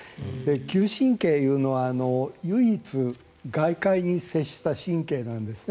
嗅神経というのは唯一外界に接した神経なんですね。